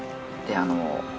であのう。